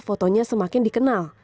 foto fotonya semakin dikenal